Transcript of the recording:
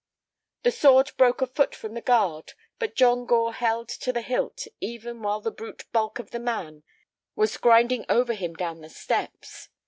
The sword broke a foot from the guard, but John Gore held to the hilt, even while the brute bulk of the man was grinding over him down the steps.